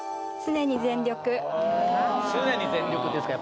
常に全力ですか？